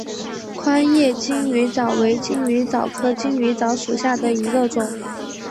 宽叶金鱼藻为金鱼藻科金鱼藻属下的一个种。